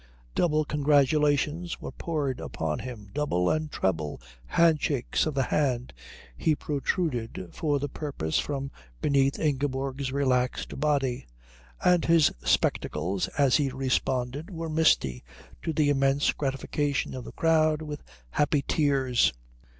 Double congratulations were poured upon him, double and treble handshakes of the hand he protruded for the purpose from beneath Ingeborg's relaxed body, and his spectacles as he responded were misty, to the immense gratification of the crowd, with happy tears.